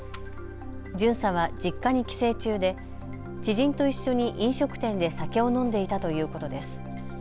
巡査は実家に帰省中で知人と一緒に飲食店で酒を飲んでいたということです。